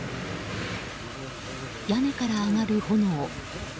屋根から上がる炎。